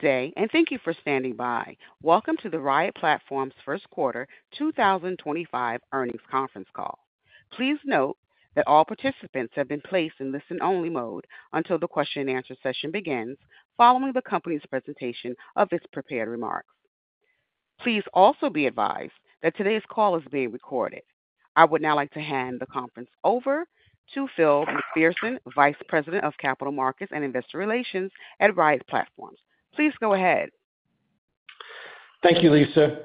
Today, and thank you for standing by. Welcome to the Riot Platforms First Quarter 2025 Earnings Conference Call. Please note that all participants have been placed in listen-only mode until the question-and-answer session begins, following the company's presentation of its prepared remarks. Please also be advised that today's call is being recorded. I would now like to hand the conference over to Phil McPherson, Vice President of Capital Markets and Investor Relations at Riot Platforms. Please go ahead. Thank you, Lisa.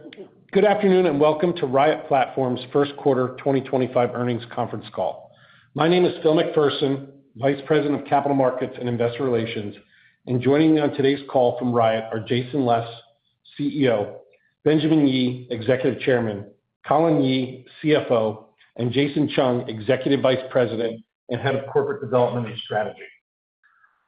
Good afternoon and welcome to Riot Platforms First Quarter 2025 Earnings Conference Call. My name is Phil McPherson, Vice President of Capital Markets and Investor Relations, and joining me on today's call from Riot are Jason Les, CEO; Benjamin Yi, Executive Chairman; Colin Yee, CFO; and Jason Chung, Executive Vice President and Head of Corporate Development and Strategy.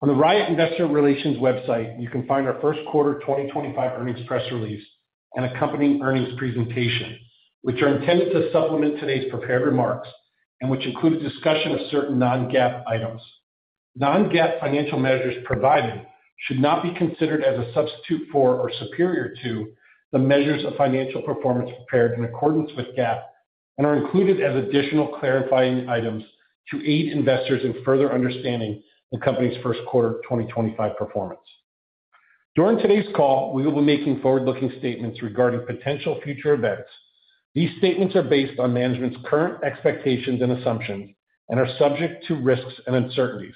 On the Riot Investor Relations website, you can find our First Quarter 2025 earnings press release and accompanying earnings presentation, which are intended to supplement today's prepared remarks and which include a discussion of certain non-GAAP items. Non-GAAP financial measures provided should not be considered as a substitute for or superior to the measures of financial performance prepared in accordance with GAAP and are included as additional clarifying items to aid investors in further understanding the company's First Quarter 2025 performance. During today's call, we will be making forward-looking statements regarding potential future events. These statements are based on management's current expectations and assumptions and are subject to risks and uncertainties.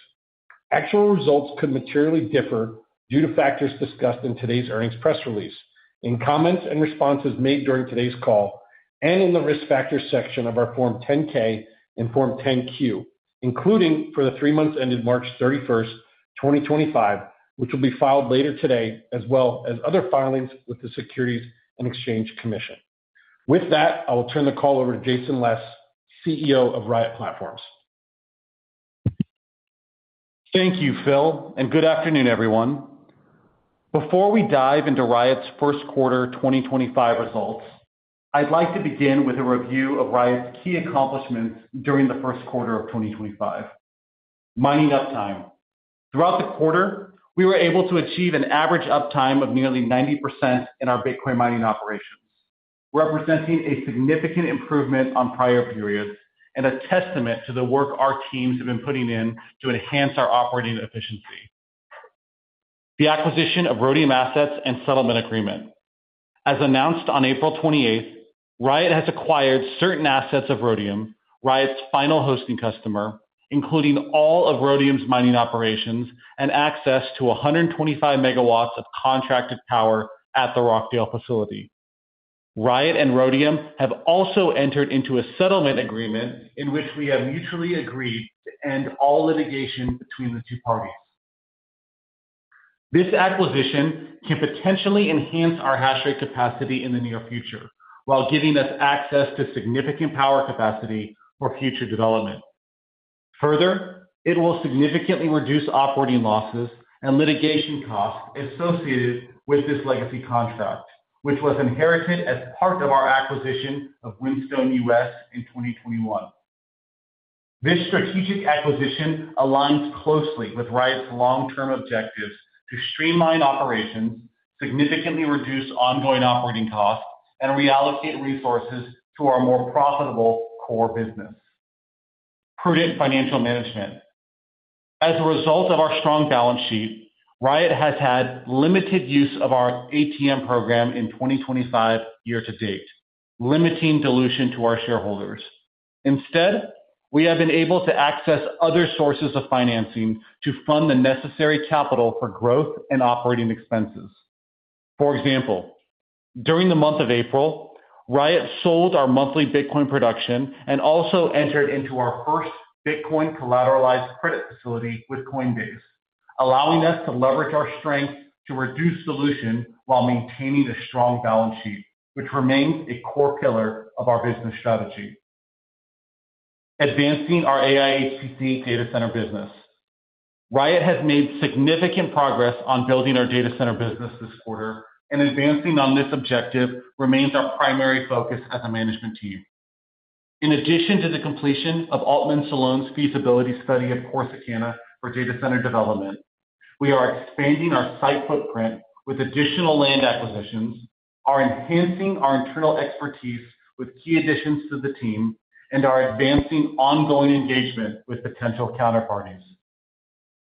Actual results could materially differ due to factors discussed in today's earnings press release, in comments and responses made during today's call, and in the risk factor section of our Form 10-K and Form 10-Q, including for the three months ended March 31, 2025, which will be filed later today, as well as other filings with the Securities and Exchange Commission. With that, I will turn the call over to Jason Les, CEO of Riot Platforms. Thank you, Phil, and good afternoon, everyone. Before we dive into Riot's First Quarter 2025 results, I'd like to begin with a review of Riot's key accomplishments during the First Quarter of 2025: mining uptime. Throughout the quarter, we were able to achieve an average uptime of nearly 90% in our Bitcoin mining operations, representing a significant improvement on prior periods and a testament to the work our teams have been putting in to enhance our operating efficiency. The acquisition of Rhodium assets and settlement agreement. As announced on April 28, Riot has acquired certain assets of Rhodium, Riot's final hosting customer, including all of Rhodium's mining operations and access to 125 MW of contracted power at the Rockdale facility. Riot and Rhodium have also entered into a settlement agreement in which we have mutually agreed to end all litigation between the two parties. This acquisition can potentially enhance our hash rate capacity in the near future while giving us access to significant power capacity for future development. Further, it will significantly reduce operating losses and litigation costs associated with this legacy contract, which was inherited as part of our acquisition of Whinstone U.S. in 2021. This strategic acquisition aligns closely with Riot's long-term objectives to streamline operations, significantly reduce ongoing operating costs, and reallocate resources to our more profitable core business: prudent financial management. As a result of our strong balance sheet, Riot has had limited use of our ATM program in 2024 year to date, limiting dilution to our shareholders. Instead, we have been able to access other sources of financing to fund the necessary capital for growth and operating expenses. For example, during the month of April, Riot sold our monthly Bitcoin production and also entered into our first Bitcoin-collateralized credit facility with Coinbase, allowing us to leverage our strength to reduce dilution while maintaining a strong balance sheet, which remains a core pillar of our business strategy. Advancing our AI HPC data center business, Riot has made significant progress on building our data center business this quarter, and advancing on this objective remains our primary focus as a management team. In addition to the completion of Altman Solon's feasibility study of Corsicana for data center development, we are expanding our site footprint with additional land acquisitions, enhancing our internal expertise with key additions to the team, and advancing ongoing engagement with potential counterparties.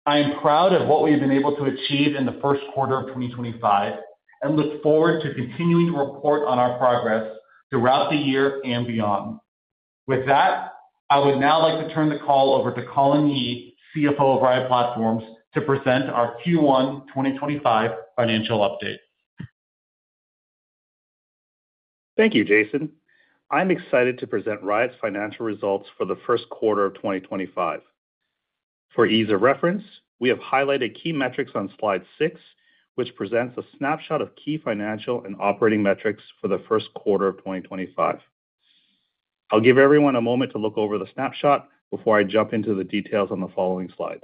I am proud of what we have been able to achieve in the first quarter of 2025 and look forward to continuing to report on our progress throughout the year and beyond. With that, I would now like to turn the call over to Colin Yee, CFO of Riot Platforms, to present our Q1 2025 financial update. Thank you, Jason. I'm excited to present Riot's financial results for the first quarter of 2025. For ease of reference, we have highlighted key metrics on Slide 6, which presents a snapshot of key financial and operating metrics for the first quarter of 2025. I'll give everyone a moment to look over the snapshot before I jump into the details on the following slides.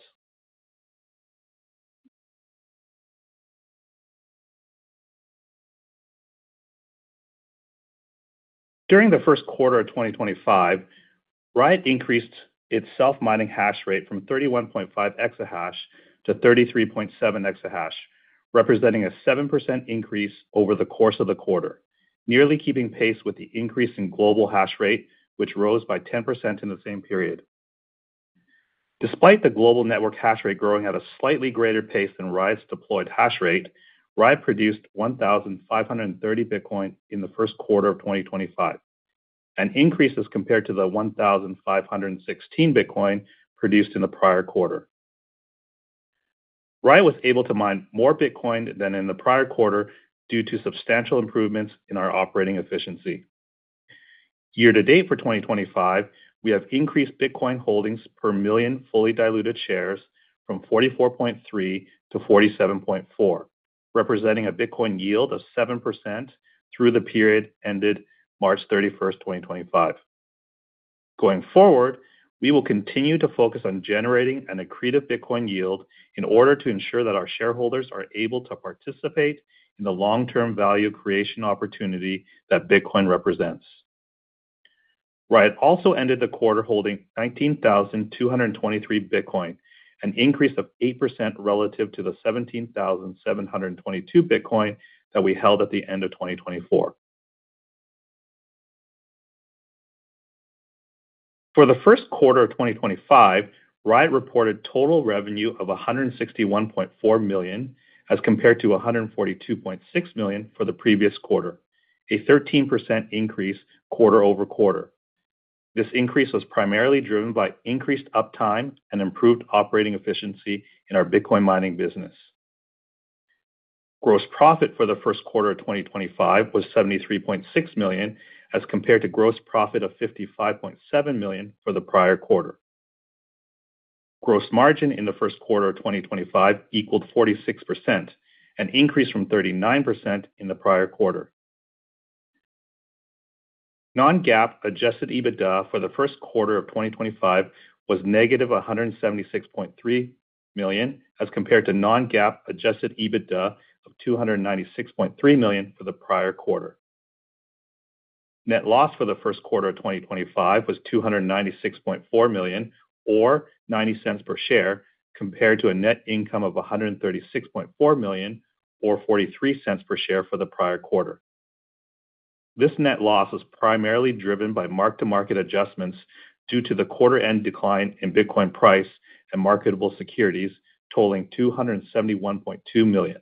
During the first quarter of 2025, Riot increased its self-mining hash rate from 31.5 exahash to 33.7 exahash, representing a 7% increase over the course of the quarter, nearly keeping pace with the increase in global hash rate, which rose by 10% in the same period. Despite the global network hash rate growing at a slightly greater pace than Riot's deployed hash rate, Riot produced 1,530 Bitcoin in the first quarter of 2025, an increase as compared to the 1,516 Bitcoin produced in the prior quarter. Riot was able to mine more Bitcoin than in the prior quarter due to substantial improvements in our operating efficiency. Year to date for 2025, we have increased Bitcoin holdings per million fully diluted shares from 44.3 to 47.4, representing a Bitcoin yield of 7% through the period ended March 31st, 2025. Going forward, we will continue to focus on generating an accretive Bitcoin yield in order to ensure that our shareholders are able to participate in the long-term value creation opportunity that Bitcoin represents. Riot also ended the quarter holding 19,223 Bitcoin, an increase of 8% relative to the 17,722 Bitcoin that we held at the end of 2024. For the first quarter of 2025, Riot reported total revenue of $161.4 million as compared to $142.6 million for the previous quarter, a 13% increase quarter over quarter. This increase was primarily driven by increased uptime and improved operating efficiency in our Bitcoin mining business. Gross profit for the first quarter of 2025 was $73.6 million as compared to gross profit of $55.7 million for the prior quarter. Gross margin in the first quarter of 2025 equaled 46%, an increase from 39% in the prior quarter. Non-GAAP adjusted EBITDA for the first quarter of 2025 was negative $176.3 million as compared to non-GAAP adjusted EBITDA of $296.3 million for the prior quarter. Net loss for the first quarter of 2025 was $296.4 million, or $0.90 per share, compared to a net income of $136.4 million, or $0.43 per share for the prior quarter. This net loss was primarily driven by mark-to-market adjustments due to the quarter-end decline in Bitcoin price and marketable securities, totaling $271.2 million.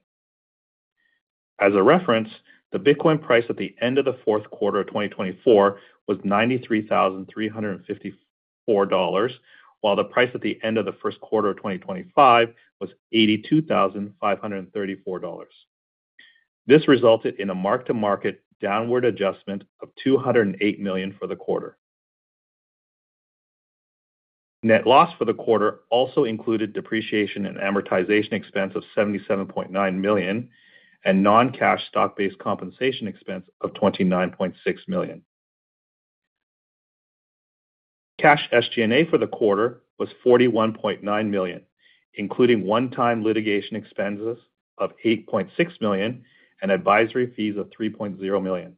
As a reference, the Bitcoin price at the end of the fourth quarter of 2024 was $93,354, while the price at the end of the first quarter of 2025 was $82,534. This resulted in a mark-to-market downward adjustment of $208 million for the quarter. Net loss for the quarter also included depreciation and amortization expense of $77.9 million and non-cash stock-based compensation expense of $29.6 million. Cash SG&A for the quarter was $41.9 million, including one-time litigation expenses of $8.6 million and advisory fees of $3.0 million.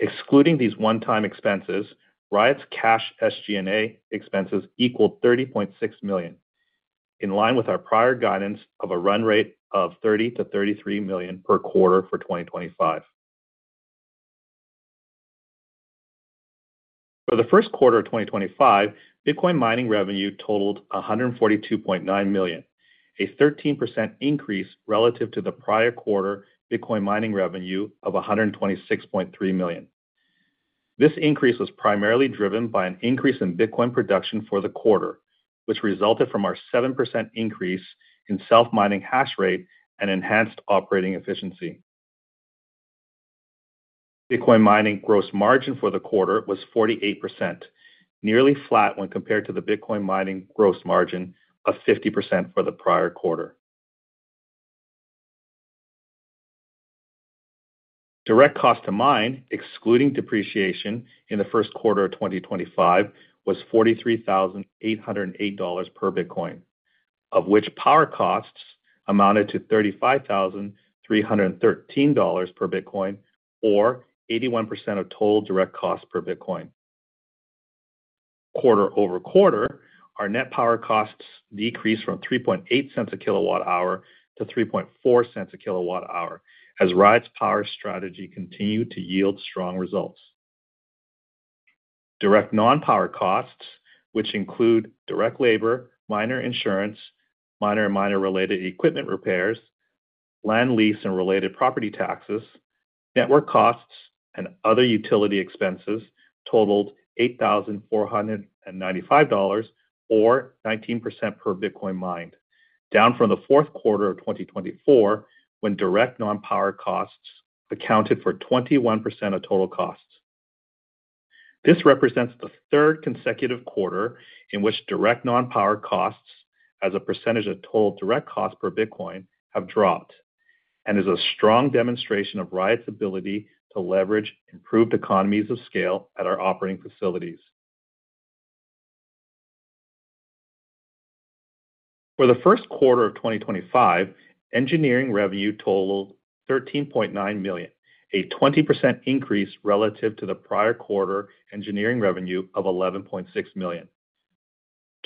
Excluding these one-time expenses, Riot's cash SG&A expenses equal $30.6 million, in line with our prior guidance of a run rate of $30-$33 million per quarter for 2025. For the first quarter of 2025, Bitcoin mining revenue totaled $142.9 million, a 13% increase relative to the prior quarter Bitcoin mining revenue of $126.3 million. This increase was primarily driven by an increase in Bitcoin production for the quarter, which resulted from our 7% increase in self-mining hash rate and enhanced operating efficiency. Bitcoin mining gross margin for the quarter was 48%, nearly flat when compared to the Bitcoin mining gross margin of 50% for the prior quarter. Direct cost to mine, excluding depreciation in the first quarter of 2025, was $43,808 per Bitcoin, of which power costs amounted to $35,313 per Bitcoin, or 81% of total direct costs per Bitcoin. Quarter over quarter, our net power costs decreased from $0.038 a kilowatt-hour to $0.034 a kilowatt-hour as Riot's power strategy continued to yield strong results. Direct non-power costs, which include direct labor, miner insurance, miner and miner-related equipment repairs, land lease and related property taxes, network costs, and other utility expenses, totaled $8,495, or 19% per Bitcoin mined, down from the fourth quarter of 2024 when direct non-power costs accounted for 21% of total costs. This represents the third consecutive quarter in which direct non-power costs, as a percentage of total direct costs per Bitcoin, have dropped, and is a strong demonstration of Riot's ability to leverage improved economies of scale at our operating facilities. For the first quarter of 2025, engineering revenue totaled $13.9 million, a 20% increase relative to the prior quarter engineering revenue of $11.6 million.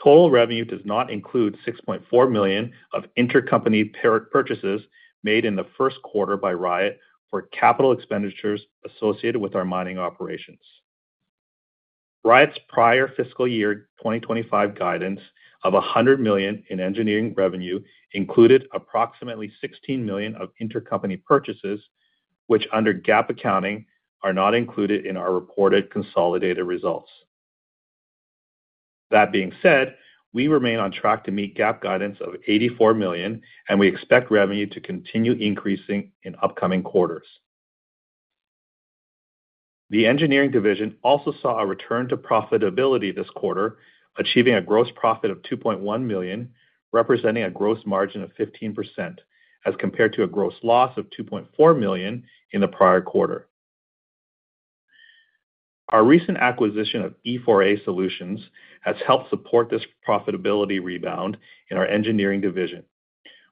Total revenue does not include $6.4 million of intercompany purchases made in the first quarter by Riot for capital expenditures associated with our mining operations. Riot's prior fiscal year 2025 guidance of $100 million in engineering revenue included approximately $16 million of intercompany purchases, which under GAAP accounting are not included in our reported consolidated results. That being said, we remain on track to meet GAAP guidance of $84 million, and we expect revenue to continue increasing in upcoming quarters. The engineering division also saw a return to profitability this quarter, achieving a gross profit of $2.1 million, representing a gross margin of 15%, as compared to a gross loss of $2.4 million in the prior quarter. Our recent acquisition of ESS Solutions has helped support this profitability rebound in our engineering division,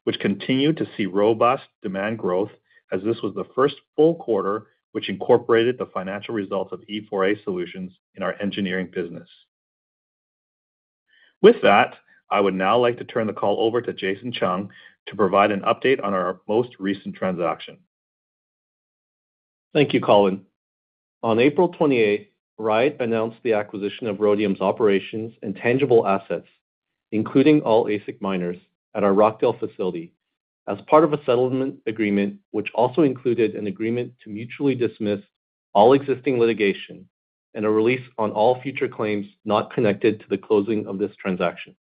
which continued to see robust demand growth as this was the first full quarter which incorporated the financial results of ESS Solutions in our engineering business. With that, I would now like to turn the call over to Jason Chung to provide an update on our most recent transaction. Thank you, Colin. On April 28th, Riot announced the acquisition of Rhodium's operations and tangible assets, including all ASIC miners, at our Rockdale facility as part of a settlement agreement, which also included an agreement to mutually dismiss all existing litigation and a release on all future claims not connected to the closing of this transaction.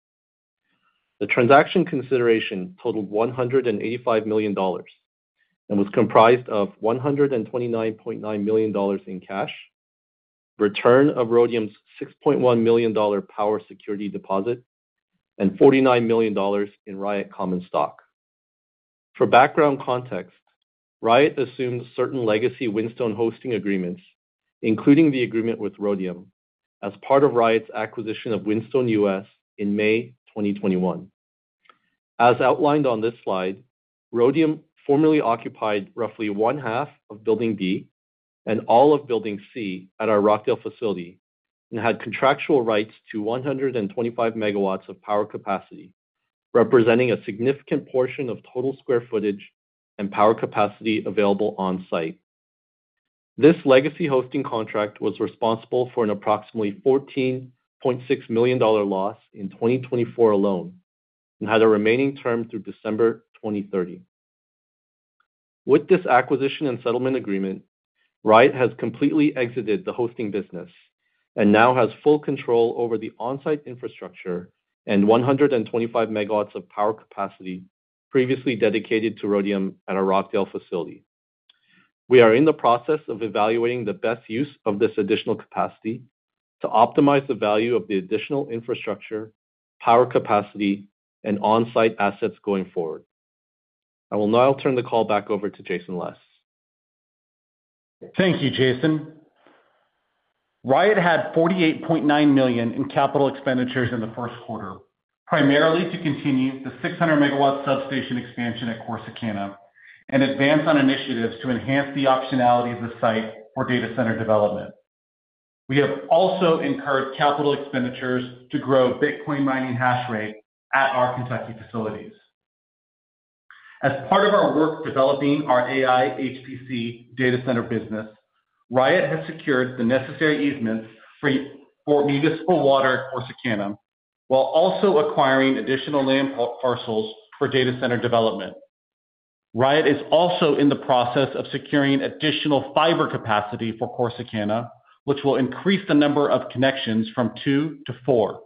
The transaction consideration totaled $185 million and was comprised of $129.9 million in cash, return of Rhodium's $6.1 million power security deposit, and $49 million in Riot common stock. For background context, Riot assumed certain legacy Whinstone hosting agreements, including the agreement with Rhodium, as part of Riot's acquisition of Whinstone U.S. in May 2021. As outlined on this slide, Rhodium formerly occupied roughly one-half of Building B and all of Building C at our Rockdale facility and had contractual rights to 125 MW of power capacity, representing a significant portion of total square footage and power capacity available on-site. This legacy hosting contract was responsible for an approximately $14.6 million loss in 2024 alone and had a remaining term through December 2030. With this acquisition and settlement agreement, Riot has completely exited the hosting business and now has full control over the on-site infrastructure and 125 MW of power capacity previously dedicated to Rhodium at our Rockdale facility. We are in the process of evaluating the best use of this additional capacity to optimize the value of the additional infrastructure, power capacity, and on-site assets going forward. I will now turn the call back over to Jason Les. Thank you, Jason. Riot had $48.9 million in capital expenditures in the first quarter, primarily to continue the 600 MW substation expansion at Corsicana and advance on initiatives to enhance the optionality of the site for data center development. We have also incurred capital expenditures to grow Bitcoin mining hash rate at our Kentucky facilities. As part of our work developing our AI HPC data center business, Riot has secured the necessary easements for municipal water at Corsicana while also acquiring additional land parcels for data center development. Riot is also in the process of securing additional fiber capacity for Corsicana, which will increase the number of connections from two to four.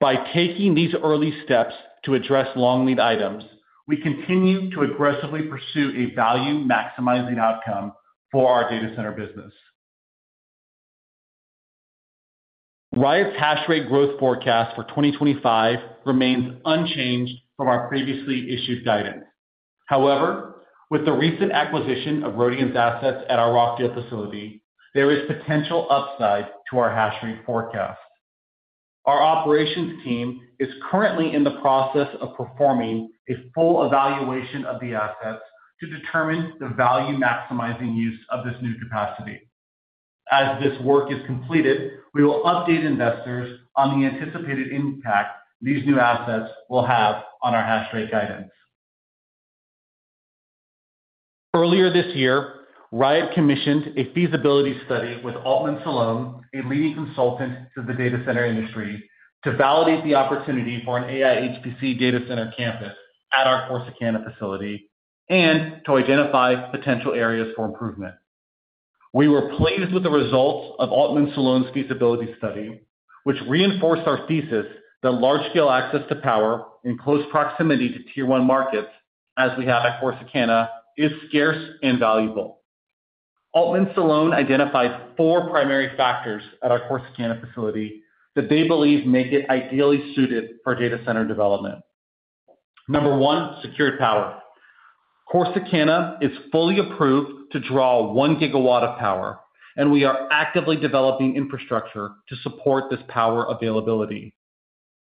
By taking these early steps to address long-lead items, we continue to aggressively pursue a value-maximizing outcome for our data center business. Riot's hash rate growth forecast for 2025 remains unchanged from our previously issued guidance. However, with the recent acquisition of Rhodium's assets at our Rockdale facility, there is potential upside to our hash rate forecast. Our operations team is currently in the process of performing a full evaluation of the assets to determine the value-maximizing use of this new capacity. As this work is completed, we will update investors on the anticipated impact these new assets will have on our hash rate guidance. Earlier this year, Riot commissioned a feasibility study with Altman Solon, a leading consultant to the data center industry, to validate the opportunity for an AI HPC data center campus at our Corsicana facility and to identify potential areas for improvement. We were pleased with the results of Altman Solon's feasibility study, which reinforced our thesis that large-scale access to power in close proximity to tier-one markets, as we have at Corsicana, is scarce and valuable. Altman Solon identified four primary factors at our Corsicana facility that they believe make it ideally suited for data center development. Number one, secured power. Corsicana is fully approved to draw 1 GW of power, and we are actively developing infrastructure to support this power availability.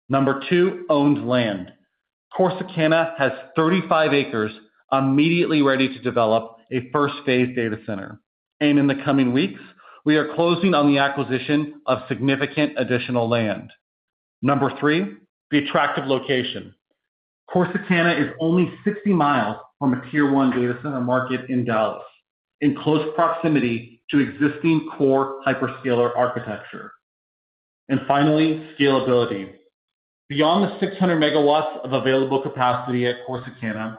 Number two, owned land. Corsicana has 35 acres immediately ready to develop a first-phase data center, and in the coming weeks, we are closing on the acquisition of significant additional land. Number three, the attractive location. Corsicana is only 60 mi from a tier-one data center market in Dallas, in close proximity to existing core hyperscaler architecture. Finally, scalability. Beyond the 600 MW of available capacity at Corsicana,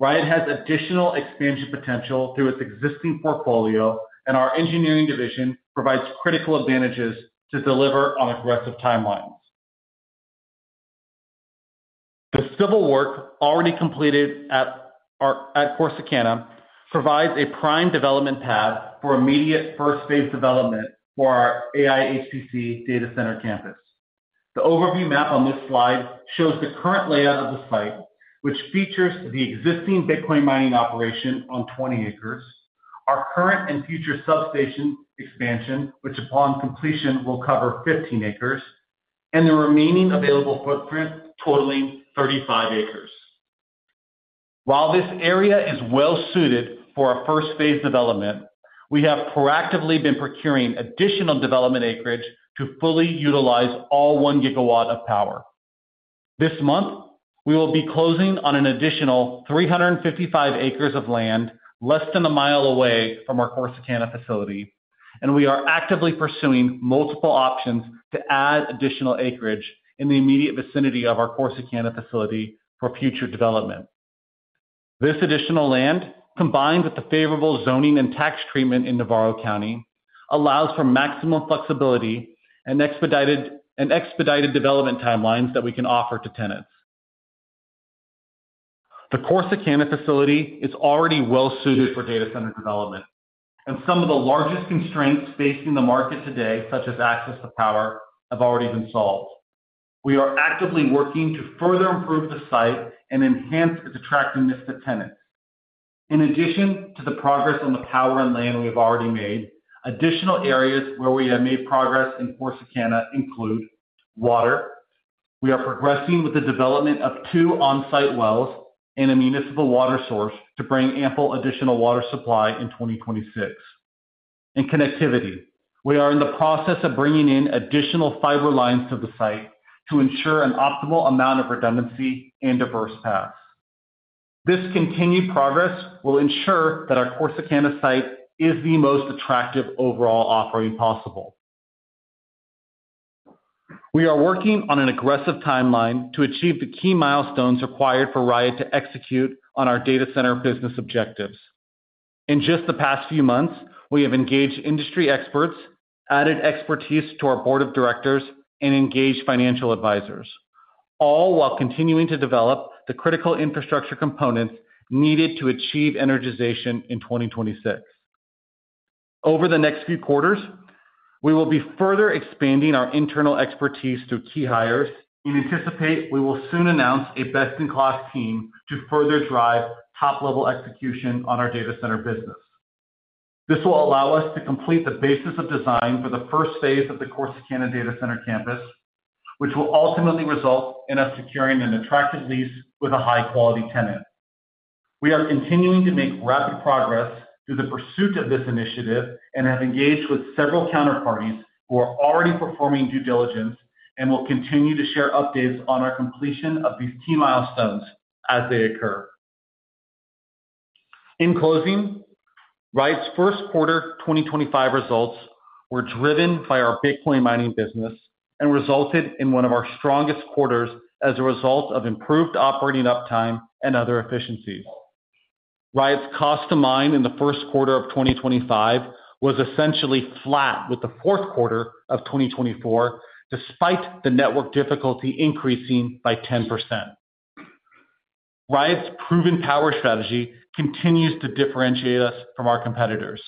Riot has additional expansion potential through its existing portfolio, and our engineering division provides critical advantages to deliver on aggressive timelines. The civil work already completed at Corsicana provides a prime development path for immediate first-phase development for our AI HPC data center campus. The overview map on this slide shows the current layout of the site, which features the existing Bitcoin mining operation on 20 acres, our current and future substation expansion, which upon completion will cover 15 acres, and the remaining available footprint totaling 35 acres. While this area is well-suited for a first-phase development, we have proactively been procuring additional development acreage to fully utilize all 1 GW of power. This month, we will be closing on an additional 355 acres of land less than a mile away from our Corsicana facility, and we are actively pursuing multiple options to add additional acreage in the immediate vicinity of our Corsicana facility for future development. This additional land, combined with the favorable zoning and tax treatment in Navarro County, allows for maximum flexibility and expedited development timelines that we can offer to tenants. The Corsicana facility is already well-suited for data center development, and some of the largest constraints facing the market today, such as access to power, have already been solved. We are actively working to further improve the site and enhance its attractiveness to tenants. In addition to the progress on the power and land we have already made, additional areas where we have made progress in Corsicana include water. We are progressing with the development of two on-site wells and a municipal water source to bring ample additional water supply in 2026. Connectivity is another area. We are in the process of bringing in additional fiber lines to the site to ensure an optimal amount of redundancy and diverse paths. This continued progress will ensure that our Corsicana site is the most attractive overall offering possible. We are working on an aggressive timeline to achieve the key milestones required for Riot to execute on our data center business objectives. In just the past few months, we have engaged industry experts, added expertise to our board of directors, and engaged financial advisors, all while continuing to develop the critical infrastructure components needed to achieve energization in 2026. Over the next few quarters, we will be further expanding our internal expertise through key hires and anticipate we will soon announce a best-in-class team to further drive top-level execution on our data center business. This will allow us to complete the basis of design for the first phase of the Corsicana data center campus, which will ultimately result in us securing an attractive lease with a high-quality tenant. We are continuing to make rapid progress through the pursuit of this initiative and have engaged with several counterparties who are already performing due diligence and will continue to share updates on our completion of these key milestones as they occur. In closing, Riot's first quarter 2025 results were driven by our Bitcoin mining business and resulted in one of our strongest quarters as a result of improved operating uptime and other efficiencies. Riot's cost to mine in the first quarter of 2025 was essentially flat with the fourth quarter of 2024, despite the network difficulty increasing by 10%. Riot's proven power strategy continues to differentiate us from our competitors.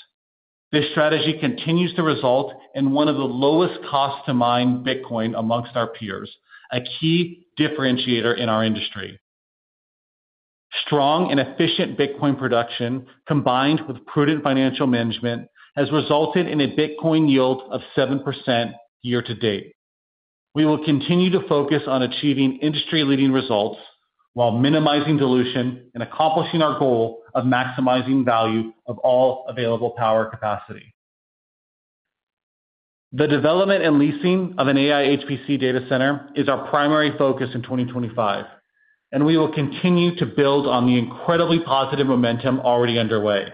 This strategy continues to result in one of the lowest cost-to-mine Bitcoin amongst our peers, a key differentiator in our industry. Strong and efficient Bitcoin production, combined with prudent financial management, has resulted in a Bitcoin yield of 7% year to date. We will continue to focus on achieving industry-leading results while minimizing dilution and accomplishing our goal of maximizing value of all available power capacity. The development and leasing of an AI HPC data center is our primary focus in 2025, and we will continue to build on the incredibly positive momentum already underway.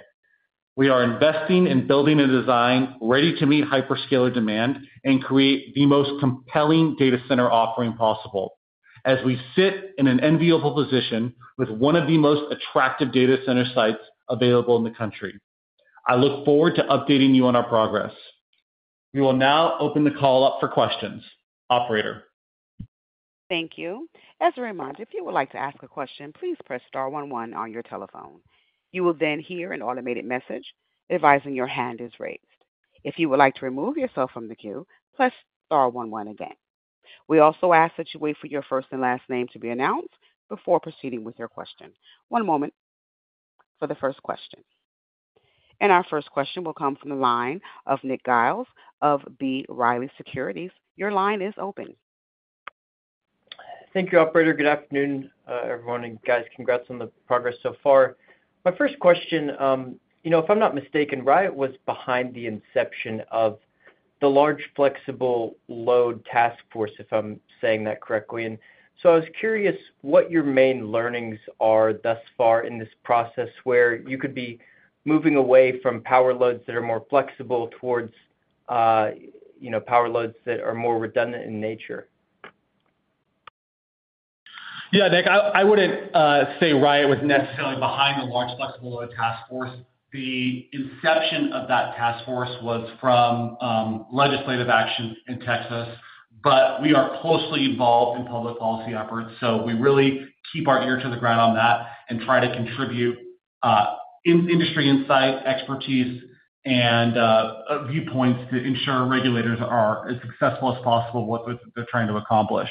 We are investing in building a design ready to meet hyperscaler demand and create the most compelling data center offering possible as we sit in an enviable position with one of the most attractive data center sites available in the country. I look forward to updating you on our progress. We will now open the call up for questions. Operator. Thank you. As a reminder, if you would like to ask a question, please press star one one on your telephone. You will then hear an automated message advising your hand is raised. If you would like to remove yourself from the queue, press star one one again. We also ask that you wait for your first and last name to be announced before proceeding with your question. One moment for the first question. Our first question will come from the line of Nick Giles of B. Riley Securities. Your line is open. Thank you, Operator. Good afternoon, everyone, and guys. Congrats on the progress so far. My first question, you know, if I'm not mistaken, Riot was behind the inception of the Large Flexible Load Task Force, if I'm saying that correctly. I was curious what your main learnings are thus far in this process where you could be moving away from power loads that are more flexible towards, you know, power loads that are more redundant in nature. Yeah, Nick, I wouldn't say Riot was necessarily behind the Large Flexible Load Task Force. The inception of that task force was from legislative action in Texas, but we are closely involved in public policy efforts. We really keep our ear to the ground on that and try to contribute industry insight, expertise, and viewpoints to ensure regulators are as successful as possible with what they're trying to accomplish.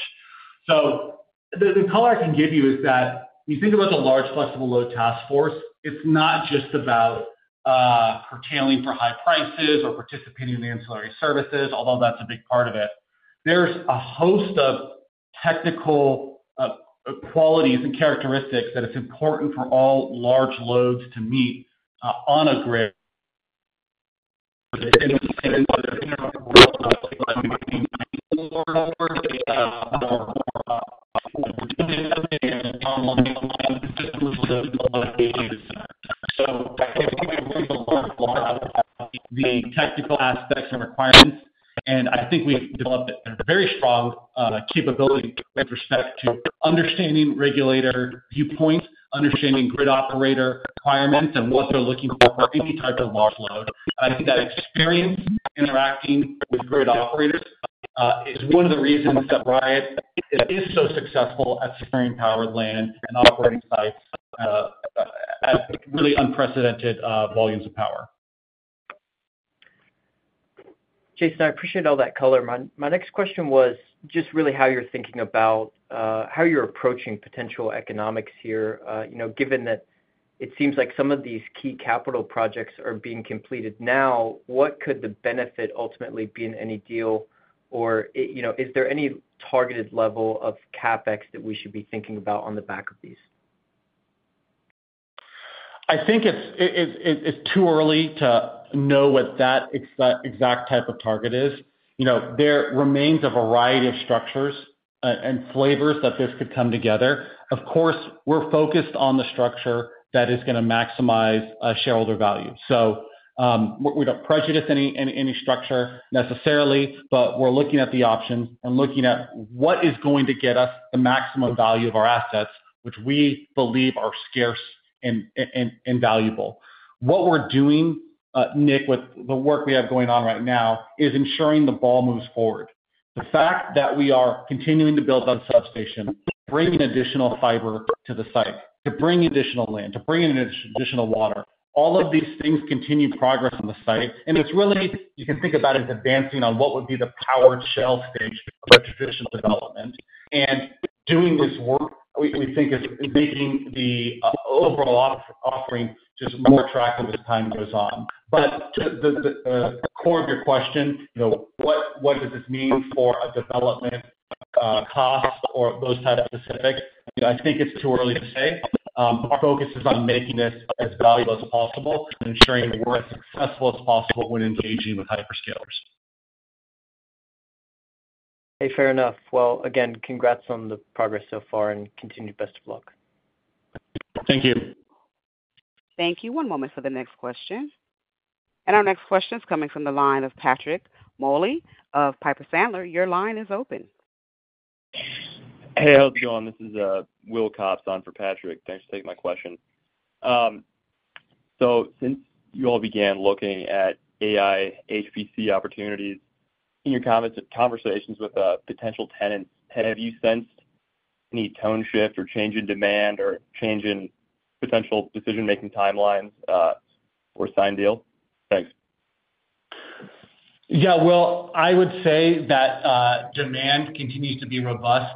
The color I can give you is that when you think about the Large Flexible Load Task Force, it's not just about curtailing for high prices or participating in ancillary services, although that's a big part of it. There's a host of technical qualities and characteristics that it's important for all large loads to meet on a grid. I think we've learned a lot about the technical aspects and requirements, and I think we've developed a very strong capability with respect to understanding regulator viewpoints, understanding grid operator requirements, and what they're looking for for any type of large load. I think that experience interacting with grid operators is one of the reasons that Riot is so successful at securing powered land and operating sites at really unprecedented volumes of power. Jason, I appreciate all that color. My next question was just really how you're thinking about how you're approaching potential economics here. You know, given that it seems like some of these key capital projects are being completed now, what could the benefit ultimately be in any deal? Or, you know, is there any targeted level of CapEx that we should be thinking about on the back of these? I think it's too early to know what that exact type of target is. You know, there remains a variety of structures and flavors that this could come together. Of course, we're focused on the structure that is going to maximize shareholder value. We don't prejudice any structure necessarily, but we're looking at the options and looking at what is going to get us the maximum value of our assets, which we believe are scarce and valuable. What we're doing, Nick, with the work we have going on right now, is ensuring the ball moves forward. The fact that we are continuing to build on substation, bringing additional fiber to the site, to bring additional land, to bring in additional water, all of these things continue progress on the site. It is really, you can think about it as advancing on what would be the powered shell stage of a traditional development. Doing this work, we think, is making the overall offering just more attractive as time goes on. To the core of your question, you know, what does this mean for a development cost or those types of specifics? I think it is too early to say. Our focus is on making this as valuable as possible and ensuring we are as successful as possible when engaging with hyperscalers. Okay, fair enough. Again, congrats on the progress so far and continued best of luck. Thank you. Thank you. One moment for the next question. Our next question is coming from the line of Patrick Moley of Piper Sandler. Your line is open. Hey, how's it going? This is Will Kobursky for Patrick. Thanks for taking my question. Since you all began looking at AI HPC opportunities in your conversations with potential tenants, have you sensed any tone shift or change in demand or change in potential decision-making timelines or signed deals? Thanks. Yeah, I would say that demand continues to be as robust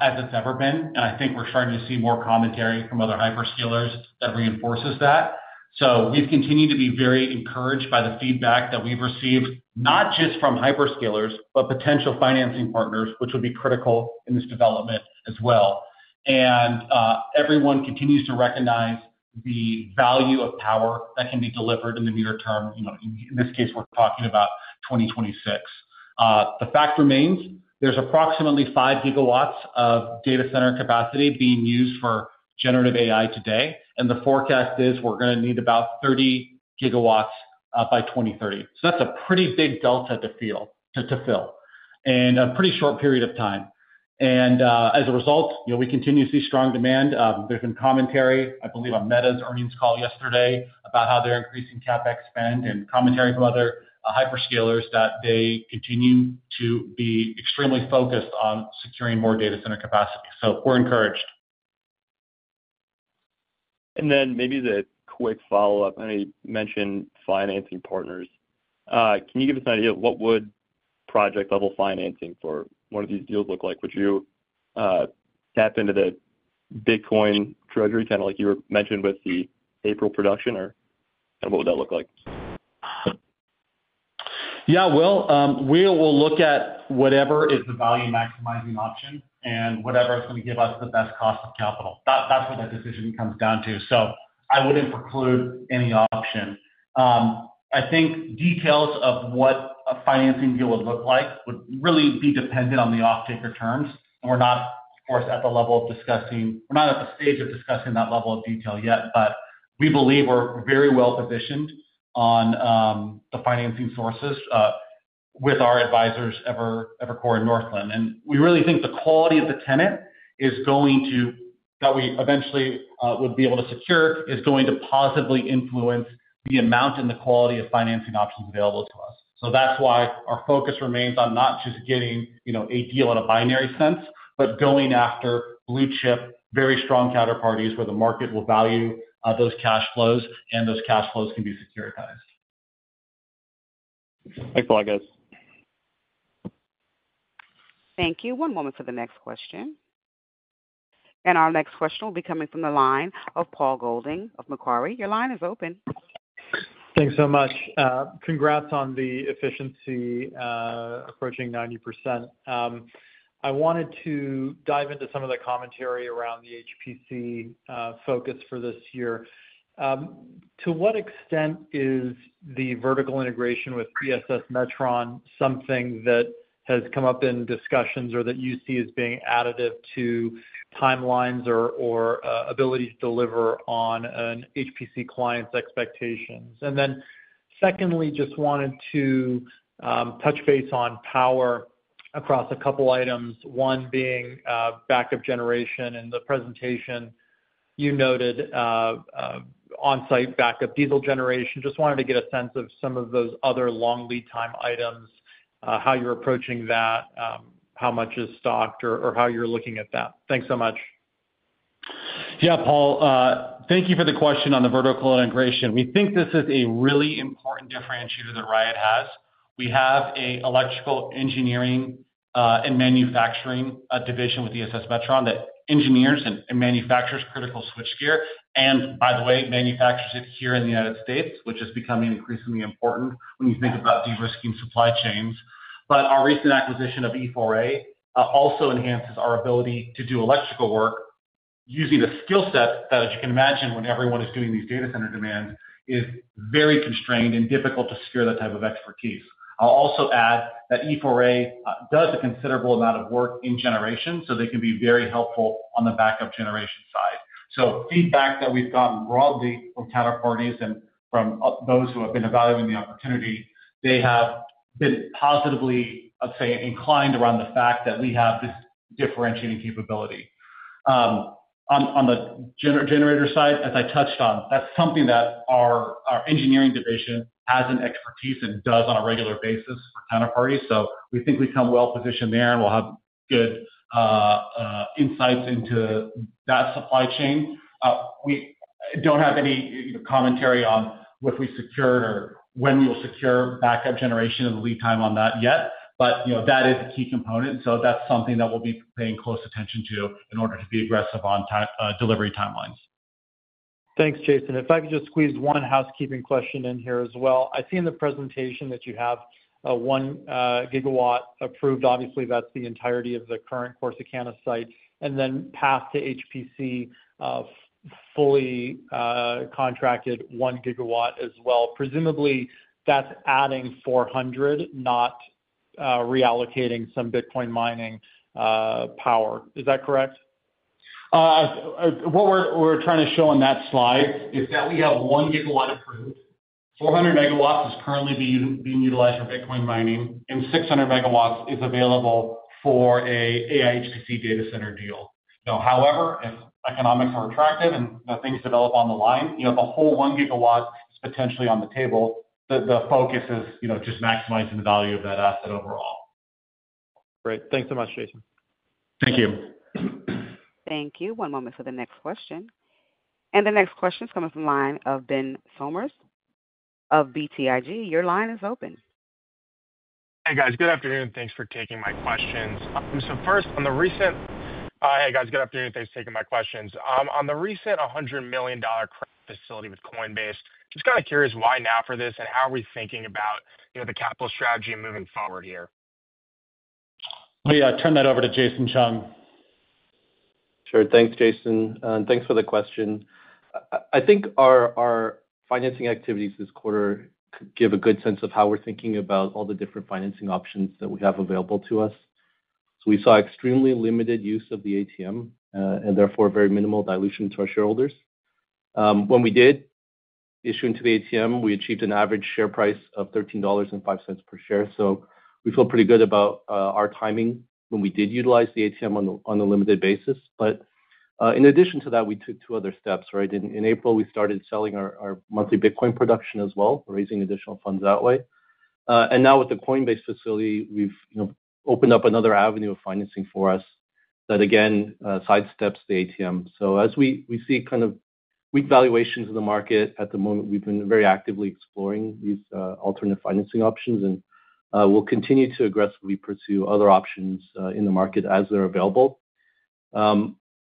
as it's ever been. I think we're starting to see more commentary from other hyperscalers that reinforces that. We've continued to be very encouraged by the feedback that we've received, not just from hyperscalers, but potential financing partners, which would be critical in this development as well. Everyone continues to recognize the value of power that can be delivered in the near term. You know, in this case, we're talking about 2026. The fact remains, there's approximately 5 GW of data center capacity being used for generative AI today. The forecast is we're going to need about 30 GW by 2030. That's a pretty big delta to fill in a pretty short period of time. As a result, you know, we continue to see strong demand. has been commentary, I believe, on Meta's earnings call yesterday about how they are increasing CapEx spend and commentary from other hyperscalers that they continue to be extremely focused on securing more data center capacity. We are encouraged. Maybe as a quick follow-up, I know you mentioned financing partners. Can you give us an idea of what would project-level financing for one of these deals look like? Would you tap into the Bitcoin treasury, kind of like you were mentioning with the April production, or what would that look like? Yeah, we will look at whatever is the value maximizing option and whatever is going to give us the best cost of capital. That's what that decision comes down to. I wouldn't preclude any option. I think details of what a financing deal would look like would really be dependent on the off-taker terms. We're not, of course, at the level of discussing—we're not at the stage of discussing that level of detail yet, but we believe we're very well positioned on the financing sources with our advisors Evercore and Northland. We really think the quality of the tenant that we eventually would be able to secure is going to positively influence the amount and the quality of financing options available to us. That is why our focus remains on not just getting, you know, a deal in a binary sense, but going after blue chip, very strong counterparties where the market will value those cash flows and those cash flows can be securitized. Thanks a lot, guys. Thank you. One moment for the next question. Our next question will be coming from the line of Paul Golding of Macquarie. Your line is open. Thanks so much. Congrats on the efficiency approaching 90%. I wanted to dive into some of the commentary around the HPC focus for this year. To what extent is the vertical integration with ESS Metron something that has come up in discussions or that you see as being additive to timelines or ability to deliver on an HPC client's expectations? Secondly, just wanted to touch base on power across a couple of items, one being backup generation. In the presentation, you noted on-site backup diesel generation. Just wanted to get a sense of some of those other long lead time items, how you're approaching that, how much is stocked, or how you're looking at that. Thanks so much. Yeah, Paul, thank you for the question on the vertical integration. We think this is a really important differentiator that Riot has. We have an electrical engineering and manufacturing division with ESS Metron that engineers and manufactures critical switchgear. By the way, it manufactures it here in the United States, which is becoming increasingly important when you think about de-risking supply chains. Our recent acquisition of ESS also enhances our ability to do electrical work using a skill set that, as you can imagine, when everyone is doing these data center demands, is very constrained and difficult to secure that type of expertise. I'll also add that ESS does a considerable amount of work in generation, so they can be very helpful on the backup generation side. Feedback that we've gotten broadly from counterparties and from those who have been evaluating the opportunity, they have been positively, I'd say, inclined around the fact that we have this differentiating capability. On the generator side, as I touched on, that's something that our engineering division has an expertise and does on a regular basis for counterparties. We think we come well positioned there and we'll have good insights into that supply chain. We don't have any commentary on if we secure or when we will secure backup generation and lead time on that yet. You know, that is a key component. That's something that we'll be paying close attention to in order to be aggressive on delivery timelines. Thanks, Jason. If I could just squeeze one housekeeping question in here as well. I see in the presentation that you have 1 GW approved. Obviously, that's the entirety of the current Corsicana site. Then past to HPC, fully contracted 1 GW as well. Presumably, that's adding 400, not reallocating some Bitcoin mining power. Is that correct? What we're trying to show on that slide is that we have 1 GW approved. 400 MW is currently being utilized for Bitcoin mining, and 600 MW is available for an AI HPC data center deal. Now, however, if economics are attractive and things develop on the line, you know, the whole 1 GW is potentially on the table. The focus is, you know, just maximizing the value of that asset overall. Great. Thanks so much, Jason. Thank you. Thank you. One moment for the next question. The next question is coming from the line of Ben Sommers of BTIG. Your line is open. Hey, guys. Good afternoon. Thanks for taking my questions. On the recent $100 million facility with Coinbase, just kind of curious why now for this and how are we thinking about, you know, the capital strategy moving forward here? Yeah, turn that over to Jason Chung. Sure. Thanks, Jason. Thanks for the question. I think our financing activities this quarter could give a good sense of how we're thinking about all the different financing options that we have available to us. We saw extremely limited use of the ATM and therefore very minimal dilution to our shareholders. When we did issue into the ATM, we achieved an average share price of $13.05 per share. We feel pretty good about our timing when we did utilize the ATM on a limited basis. In addition to that, we took two other steps, right? In April, we started selling our monthly Bitcoin production as well, raising additional funds that way. Now with the Coinbase facility, we've, you know, opened up another avenue of financing for us that, again, sidesteps the ATM. As we see kind of weak valuations in the market at the moment, we've been very actively exploring these alternate financing options. We'll continue to aggressively pursue other options in the market as they're available.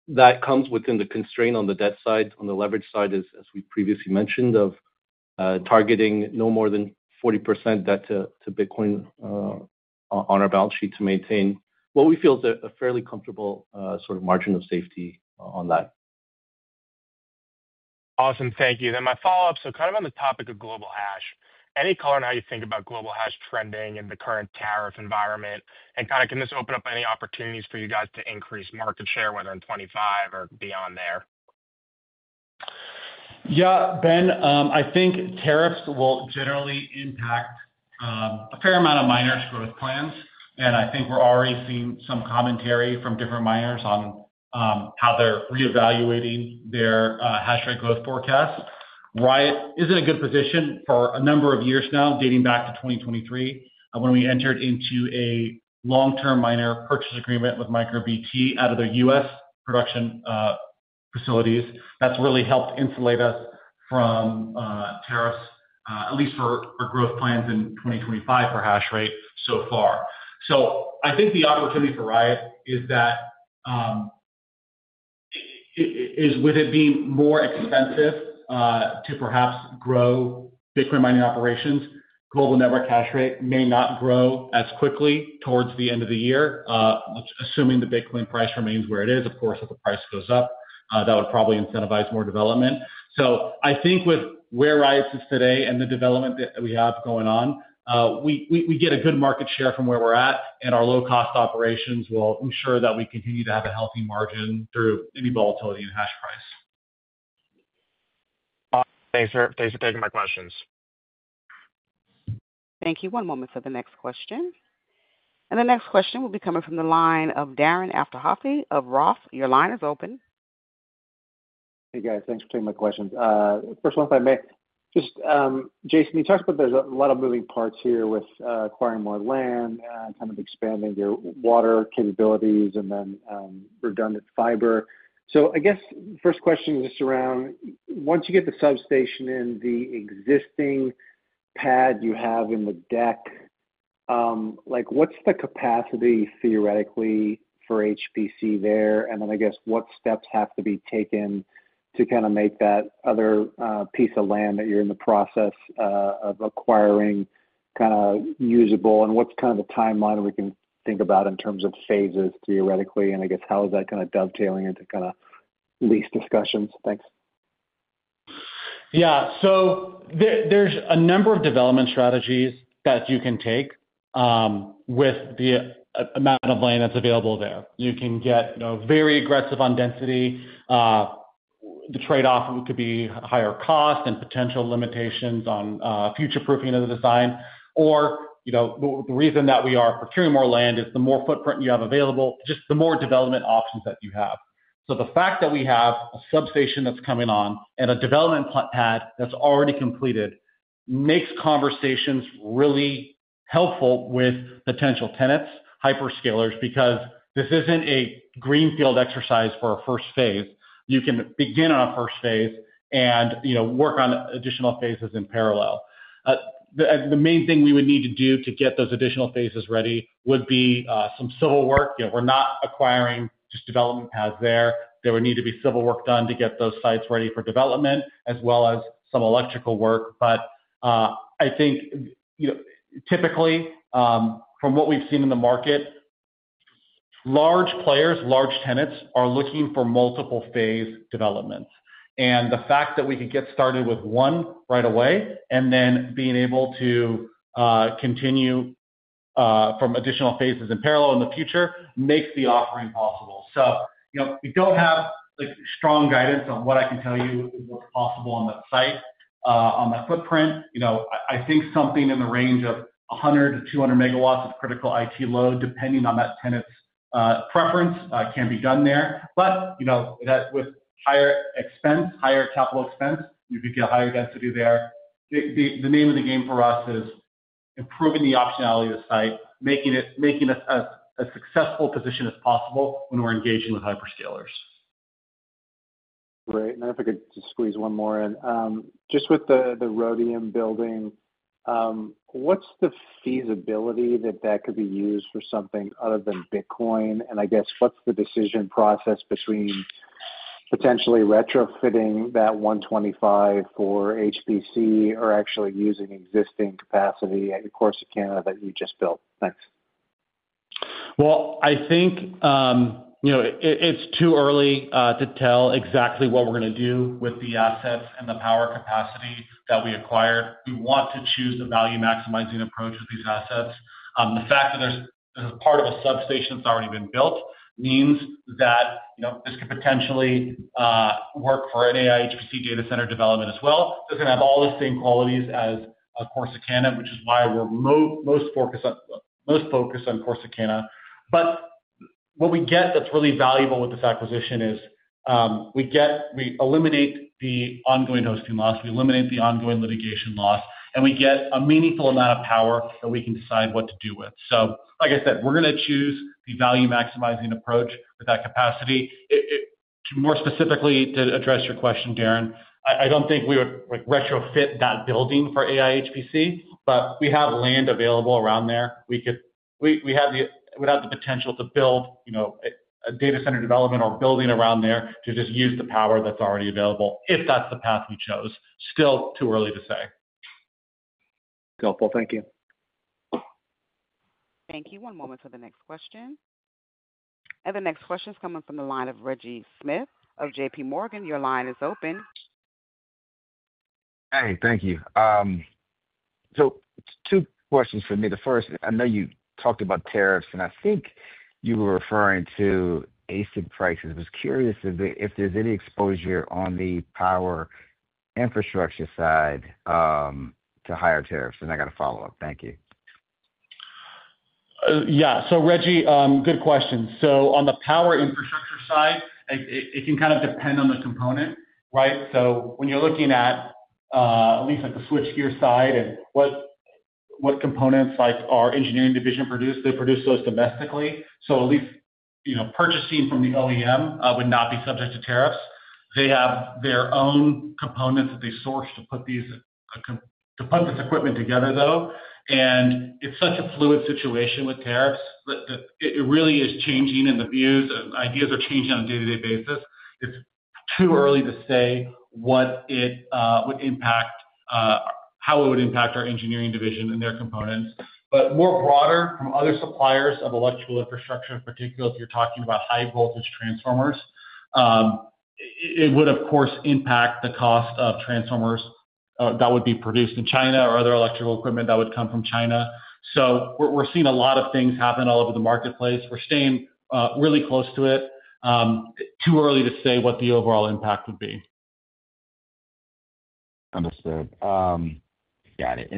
That comes within the constraint on the debt side, on the leverage side, as we previously mentioned, of targeting no more than 40% debt to Bitcoin on our balance sheet to maintain what we feel is a fairly comfortable sort of margin of safety on that. Awesome. Thank you. My follow-up, kind of on the topic of global hash, any color on how you think about global hash trending in the current tariff environment? Can this open up any opportunities for you guys to increase market share, whether in 2025 or beyond there? Yeah, Ben, I think tariffs will generally impact a fair amount of miners' growth plans. I think we're already seeing some commentary from different miners on how they're reevaluating their hash rate growth forecasts. Riot is in a good position for a number of years now, dating back to 2023, when we entered into a long-term miner purchase agreement with MicroBT out of their U.S. production facilities. That's really helped insulate us from tariffs, at least for our growth plans in 2025 for hash rate so far. I think the opportunity for Riot is that, with it being more expensive to perhaps grow Bitcoin mining operations, global network hash rate may not grow as quickly towards the end of the year, assuming the Bitcoin price remains where it is. Of course, if the price goes up, that would probably incentivize more development. I think with where Riot is today and the development that we have going on, we get a good market share from where we're at. Our low-cost operations will ensure that we continue to have a healthy margin through any volatility in hash price. Thanks, sir. Thanks for taking my questions. Thank you. One moment for the next question. The next question will be coming from the line of Darren Aftahi of Roth. Your line is open. Hey, guys. Thanks for taking my questions. First one, if I may, just Jason, you talked about there's a lot of moving parts here with acquiring more land, kind of expanding your water capabilities, and then redundant fiber. I guess first question is just around, once you get the substation in the existing pad you have in the deck, like, what's the capacity theoretically for HPC there? I guess what steps have to be taken to kind of make that other piece of land that you're in the process of acquiring kind of usable? What's kind of the timeline we can think about in terms of phases theoretically? I guess how is that kind of dovetailing into kind of lease discussions? Thanks. Yeah. There are a number of development strategies that you can take with the amount of land that's available there. You can get very aggressive on density. The trade-off could be higher cost and potential limitations on future-proofing of the design. Or, you know, the reason that we are procuring more land is the more footprint you have available, just the more development options that you have. The fact that we have a substation that's coming on and a development pad that's already completed makes conversations really helpful with potential tenants, hyperscalers, because this isn't a greenfield exercise for a first phase. You can begin on a first phase and, you know, work on additional phases in parallel. The main thing we would need to do to get those additional phases ready would be some civil work. You know, we're not acquiring just development pads there. There would need to be civil work done to get those sites ready for development, as well as some electrical work. I think, you know, typically, from what we've seen in the market, large players, large tenants are looking for multiple-phase developments. The fact that we could get started with one right away and then being able to continue from additional phases in parallel in the future makes the offering possible. You know, we don't have, like, strong guidance on what I can tell you is what's possible on that site, on that footprint. You know, I think something in the range of 100 MW-200 MW of critical IT load, depending on that tenant's preference, can be done there. You know, with higher expense, higher capital expense, you could get higher density there. The name of the game for us is improving the optionality of the site, making it a successful position as possible when we're engaging with hyperscalers. Great. If I could just squeeze one more in, with the Rhodium building, what's the feasibility that that could be used for something other than Bitcoin? I guess what's the decision process between potentially retrofitting that 125 for HPC or actually using existing capacity at your Corsicana that you just built? Thanks. I think, you know, it's too early to tell exactly what we're going to do with the assets and the power capacity that we acquired. We want to choose the value-maximizing approach with these assets. The fact that this is part of a substation that's already been built means that, you know, this could potentially work for an AI HPC data center development as well. It's going to have all the same qualities as a Corsicana, which is why we're most focused on Corsicana. What we get that's really valuable with this acquisition is we eliminate the ongoing hosting loss. We eliminate the ongoing litigation loss. We get a meaningful amount of power that we can decide what to do with. Like I said, we're going to choose the value-maximizing approach with that capacity. More specifically, to address your question, Darren, I don't think we would retrofit that building for AI HPC, but we have land available around there. We could, we have the potential to build, you know, a data center development or building around there to just use the power that's already available, if that's the path we chose. Still too early to say. Helpful. Thank you. Thank you. One moment for the next question. The next question is coming from the line of Reggie Smith of JPMorgan. Your line is open. Hey, thank you. Two questions for me. The first, I know you talked about tariffs, and I think you were referring to ASIC prices. I was curious if there's any exposure on the power infrastructure side to higher tariffs. I got a follow-up. Thank you. Yeah. Reggie, good question. On the power infrastructure side, it can kind of depend on the component, right? When you're looking at at least, like, the switchgear side and what components, like, our engineering division produced, they produce those domestically. At least, you know, purchasing from the OEM would not be subject to tariffs. They have their own components that they source to put this equipment together, though. It's such a fluid situation with tariffs that it really is changing in the views. Ideas are changing on a day-to-day basis. It's too early to say what it would impact, how it would impact our engineering division and their components. More broadly, from other suppliers of electrical infrastructure, in particular, if you're talking about high-voltage transformers, it would, of course, impact the cost of transformers that would be produced in China or other electrical equipment that would come from China. We are seeing a lot of things happen all over the marketplace. We are staying really close to it. Too early to say what the overall impact would be. Understood. Got it.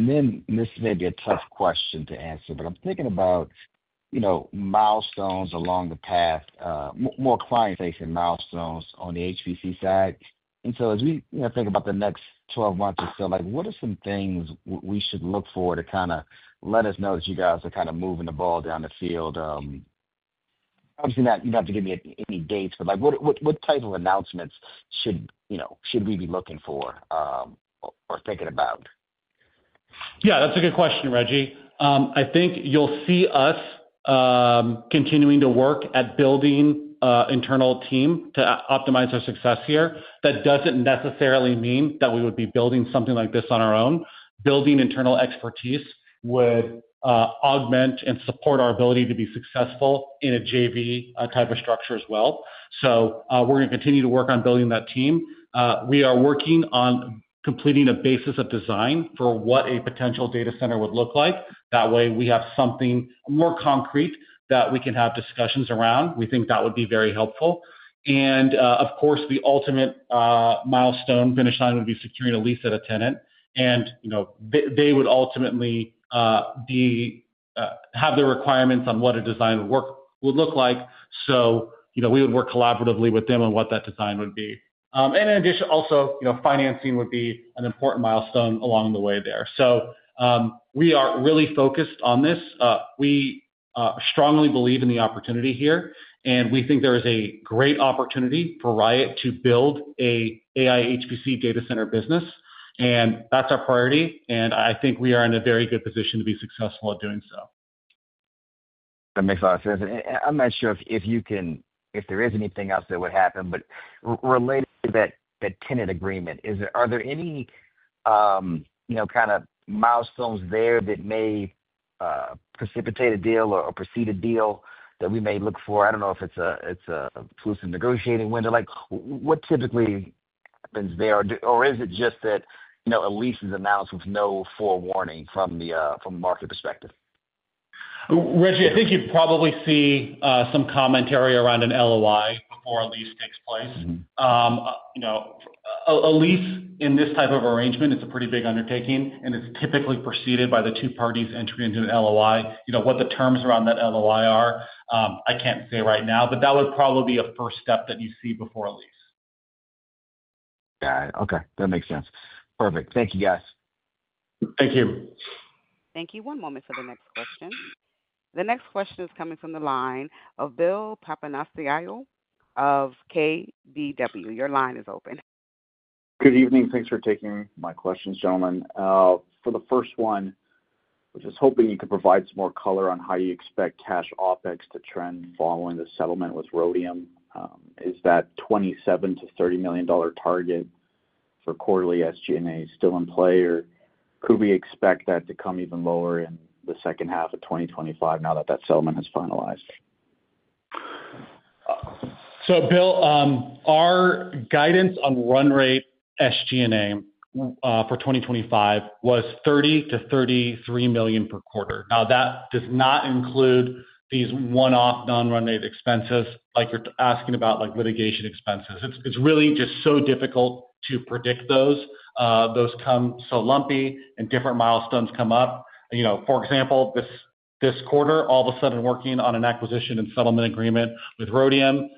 This may be a tough question to answer, but I'm thinking about, you know, milestones along the path, more client-facing milestones on the HPC side. As we, you know, think about the next 12 months or so, what are some things we should look for to kind of let us know that you guys are kind of moving the ball down the field? Obviously, you do not have to give me any dates, but, like, what type of announcements should, you know, should we be looking for or thinking about? Yeah, that's a good question, Reggie. I think you'll see us continuing to work at building an internal team to optimize our success here. That doesn't necessarily mean that we would be building something like this on our own. Building internal expertise would augment and support our ability to be successful in a JV type of structure as well. We are going to continue to work on building that team. We are working on completing a basis of design for what a potential data center would look like. That way, we have something more concrete that we can have discussions around. We think that would be very helpful. Of course, the ultimate milestone finish line would be securing a lease at a tenant. You know, they would ultimately have the requirements on what a design would look like. You know, we would work collaboratively with them on what that design would be. In addition, also, you know, financing would be an important milestone along the way there. We are really focused on this. We strongly believe in the opportunity here. We think there is a great opportunity for Riot to build an AI HPC data center business. That is our priority. I think we are in a very good position to be successful at doing so. That makes a lot of sense. I'm not sure if you can, if there is anything else that would happen, but related to that tenant agreement, are there any, you know, kind of milestones there that may precipitate a deal or precede a deal that we may look for? I don't know if it's a fluid negotiating window. Like, what typically happens there? Is it just that, you know, a lease is announced with no forewarning from the market perspective? Reggie, I think you'd probably see some commentary around an LOI before a lease takes place. You know, a lease in this type of arrangement is a pretty big undertaking. It is typically preceded by the two parties entering into an LOI. You know, what the terms around that LOI are, I can't say right now, but that would probably be a first step that you see before a lease. Got it. Okay. That makes sense. Perfect. Thank you, guys. Thank you. Thank you. One moment for the next question. The next question is coming from the line of Bill Papanastasiou of KBW. Your line is open. Good evening. Thanks for taking my questions, gentlemen. For the first one, I was just hoping you could provide some more color on how you expect cash OpEx to trend following the settlement with Rhodium. Is that $27-$30 million target for quarterly SG&A still in play, or could we expect that to come even lower in the second half of 2025 now that that settlement has finalized? Bill, our guidance on run rate SG&A for 2025 was $30 million-$33 million per quarter. That does not include these one-off non-run rate expenses, like you're asking about, like litigation expenses. It's really just so difficult to predict those. Those come so lumpy and different milestones come up. You know, for example, this quarter, all of a sudden, working on an acquisition and settlement agreement with Rhodium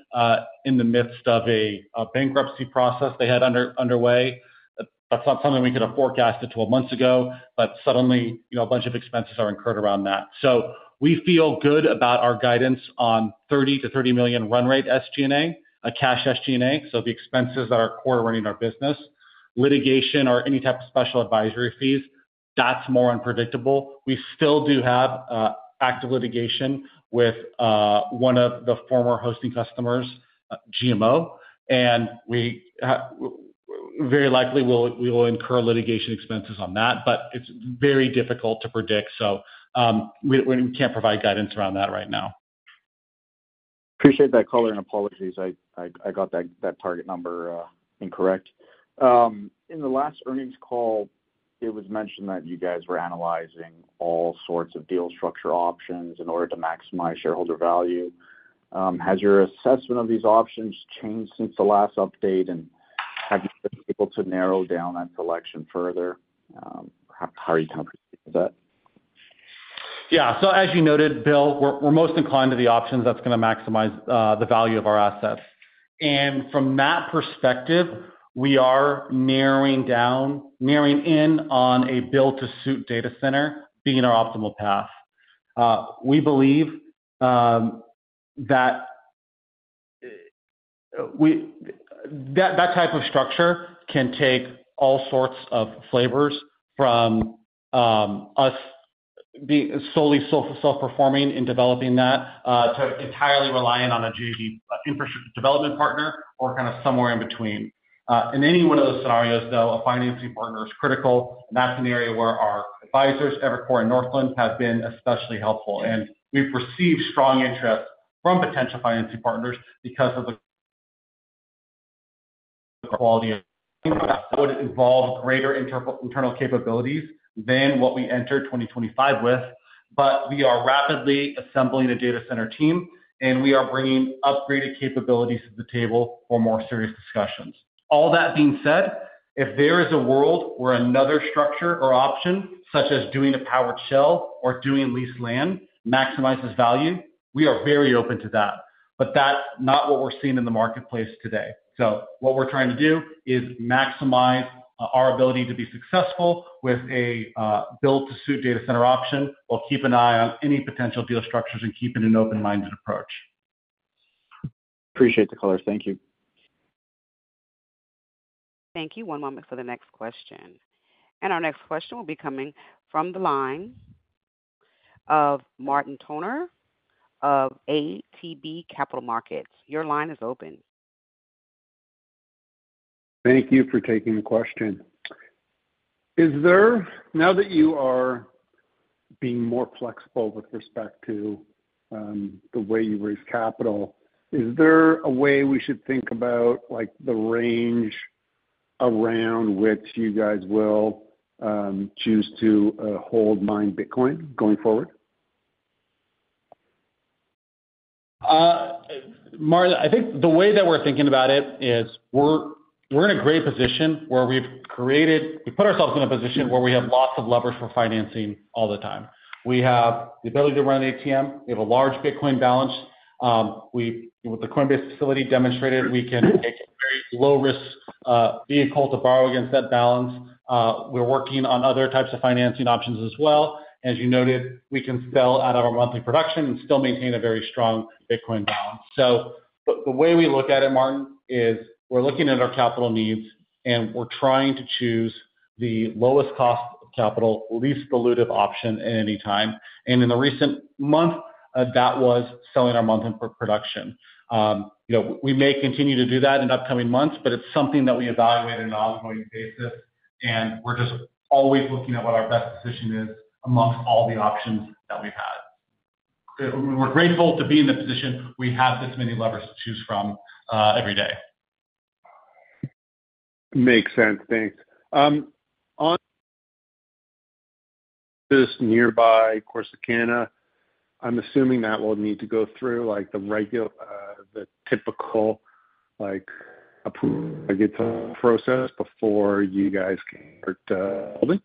in the midst of a bankruptcy process they had underway, that's not something we could have forecasted 12 months ago, but suddenly, you know, a bunch of expenses are incurred around that. We feel good about our guidance on $30 million-$33 million run rate SG&A, a cash SG&A. The expenses that are core to running our business, litigation or any type of special advisory fees, that's more unpredictable. We still do have active litigation with one of the former hosting customers, GMO. We very likely will incur litigation expenses on that, but it's very difficult to predict. We can't provide guidance around that right now. Appreciate that color and apologies. I got that target number incorrect. In the last earnings call, it was mentioned that you guys were analyzing all sorts of deal structure options in order to maximize shareholder value. Has your assessment of these options changed since the last update, and have you been able to narrow down that selection further? How are you comfortable with that? Yeah. As you noted, Bill, we're most inclined to the options that's going to maximize the value of our assets. From that perspective, we are narrowing down, narrowing in on a build-to-suit data center being our optimal path. We believe that that type of structure can take all sorts of flavors, from us solely self-performing in developing that to entirely relying on a JV infrastructure development partner or kind of somewhere in between. In any one of those scenarios, though, a financing partner is critical. That is an area where our advisors, Evercore and Northland, have been especially helpful. We have received strong interest from potential financing partners because of the quality of. Would involve greater internal capabilities than what we entered 2025 with. We are rapidly assembling a data center team, and we are bringing upgraded capabilities to the table for more serious discussions. All that being said, if there is a world where another structure or option, such as doing a powered shell or doing leased land, maximizes value, we are very open to that. That is not what we are seeing in the marketplace today. What we are trying to do is maximize our ability to be successful with a build-to-suit data center option. We will keep an eye on any potential deal structures and keep it an open-minded approach. Appreciate the color. Thank you. Thank you. One moment for the next question. Our next question will be coming from the line of Martin Toner of ATB Capital Markets. Your line is open. Thank you for taking the question. Is there, now that you are being more flexible with respect to the way you raise capital, is there a way we should think about, like, the range around which you guys will choose to hold mined Bitcoin going forward? Martin, I think the way that we're thinking about it is we're in a great position where we've created, we've put ourselves in a position where we have lots of levers for financing all the time. We have the ability to run an ATM. We have a large Bitcoin balance. With the Coinbase facility demonstrated, we can take a very low-risk vehicle to borrow against that balance. We're working on other types of financing options as well. As you noted, we can sell out of our monthly production and still maintain a very strong Bitcoin balance. The way we look at it, Martin, is we're looking at our capital needs, and we're trying to choose the lowest cost capital, least dilutive option at any time. In the recent month, that was selling our monthly production. You know, we may continue to do that in upcoming months, but it's something that we evaluate on an ongoing basis. We're just always looking at what our best position is amongst all the options that we've had. We're grateful to be in the position we have this many levers to choose from every day. Makes sense. Thanks. On this nearby Corsicana, I'm assuming that will need to go through, like, the typical, like, approval process before you guys can start building?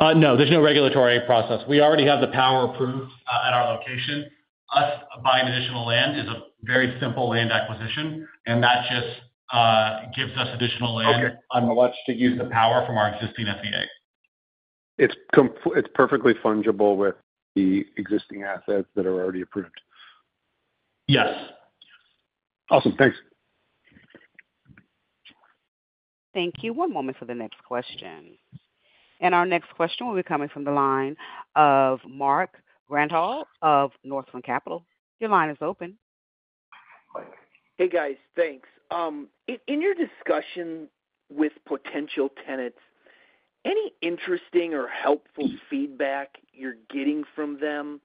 No, there's no regulatory process. We already have the power approved at our location. Us buying additional land is a very simple land acquisition. That just gives us additional land. Okay. On what to use the power from our existing PPA. It's perfectly fungible with the existing assets that are already approved. Yes. Awesome. Thanks. Thank you. One moment for the next question. Our next question will be coming from the line of Mike Grondahl of Northland Capital. Your line is open. Hey, guys. Thanks. In your discussion with potential tenants, any interesting or helpful feedback you're getting from them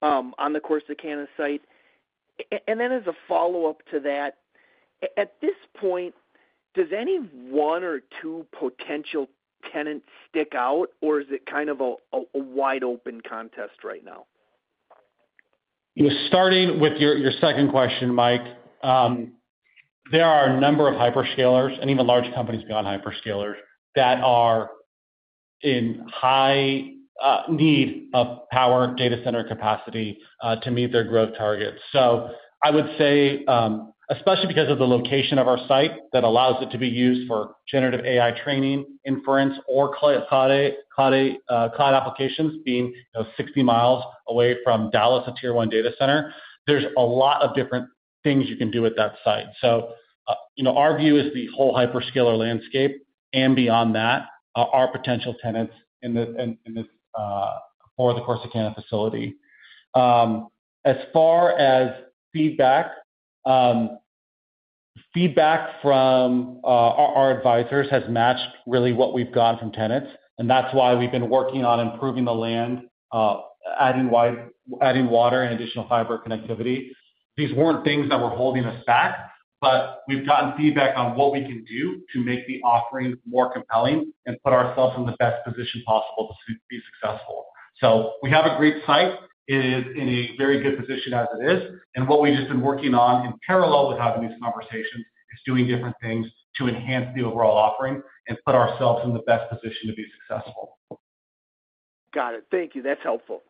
on the Corsicana site? As a follow-up to that, at this point, does any one or two potential tenants stick out, or is it kind of a wide-open contest right now? You know, starting with your second question, Mike, there are a number of hyperscalers and even large companies beyond hyperscalers that are in high need of power data center capacity to meet their growth targets. I would say, especially because of the location of our site that allows it to be used for generative AI training, inference, or cloud applications being, you know, 60 mi away from Dallas' tier-one data center, there's a lot of different things you can do at that site. You know, our view is the whole hyperscaler landscape and beyond that, our potential tenants in this for the Corsicana facility. As far as feedback, feedback from our advisors has matched really what we've gotten from tenants. That's why we've been working on improving the land, adding water and additional fiber connectivity. These were not things that were holding us back, but we have gotten feedback on what we can do to make the offering more compelling and put ourselves in the best position possible to be successful. We have a great site. It is in a very good position as it is. What we have been working on in parallel with having these conversations is doing different things to enhance the overall offering and put ourselves in the best position to be successful. Got it. Thank you. That's helpful.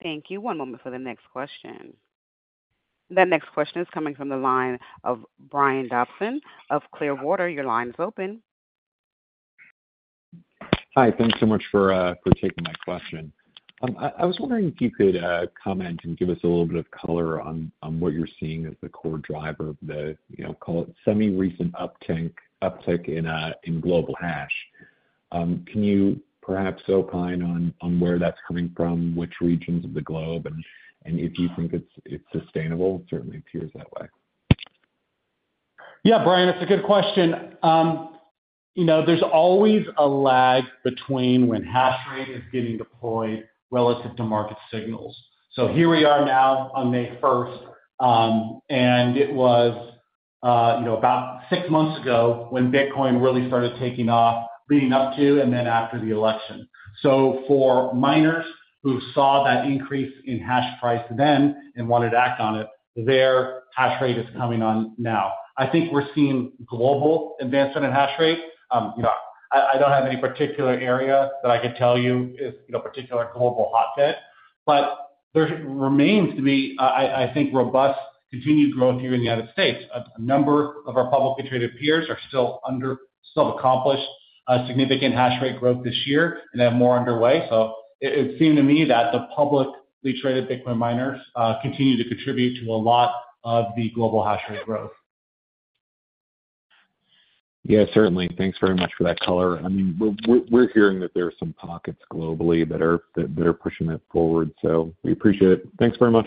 Thank you. One moment for the next question. That next question is coming from the line of Brian Dobson of Clear Street. Your line is open. Hi. Thanks so much for taking my question. I was wondering if you could comment and give us a little bit of color on what you're seeing as the core driver of the, you know, call it semi-recent uptick in global hash. Can you perhaps opine on where that's coming from, which regions of the globe, and if you think it's sustainable? Certainly, it appears that way. Yeah, Brian, that's a good question. You know, there's always a lag between when hash rate is getting deployed relative to market signals. Here we are now on May 1. It was, you know, about six months ago when Bitcoin really started taking off leading up to and then after the election. For miners who saw that increase in hash price then and wanted to act on it, their hash rate is coming on now. I think we're seeing global advancement in hash rate. You know, I don't have any particular area that I could tell you is, you know, a particular global hotbed. There remains to be, I think, robust continued growth here in the United States. A number of our publicly traded peers still have accomplished significant hash rate growth this year and have more underway. It seemed to me that the publicly traded Bitcoin miners continue to contribute to a lot of the global hash rate growth. Yeah, certainly. Thanks very much for that color. I mean, we're hearing that there are some pockets globally that are pushing that forward. We appreciate it. Thanks very much.